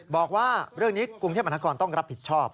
บอกว่าเรื่องนี้กรุงเทพมหานครต้องรับผิดชอบ